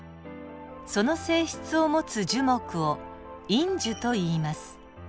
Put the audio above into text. その性質を持つ樹木を陰樹といいます。